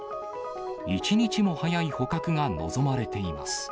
一日も早い捕獲が望まれています。